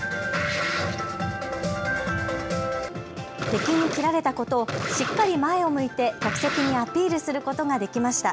敵に斬られたことを、しっかり前を向いて客席にアピールすることができました。